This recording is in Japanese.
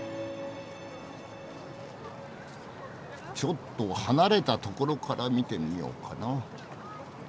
ちょっと離れたところから見てみようかな。